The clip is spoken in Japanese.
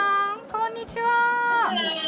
こんにちは！